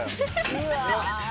うわ。